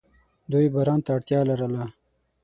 دوی باران ته اړتیا لرله.